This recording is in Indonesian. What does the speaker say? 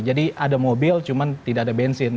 jadi ada mobil cuma tidak ada bensin